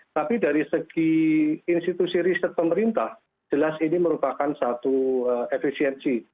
tapi dari segi institusi riset pemerintah jelas ini merupakan satu efisiensi